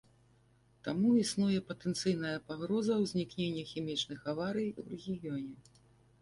Таму існуе патэнцыйная пагроза ўзнікнення хімічных аварый у рэгіёне.